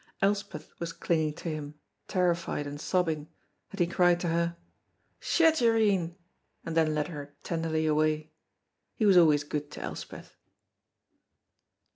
Elspeth was clinging to him, terrified and sobbing, and he cried to her, "Shut your een," and then led her tenderly away. He was always good to Elspeth.